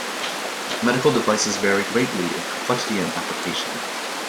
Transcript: Medical devices vary greatly in complexity and application.